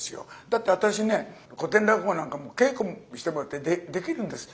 だって私ね古典落語なんかも稽古してもらってできるんです。